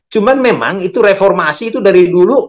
cuman memang itu reformasi itu dari dulu